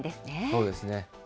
そうですね。